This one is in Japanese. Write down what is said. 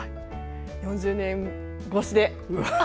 ４０年越しで。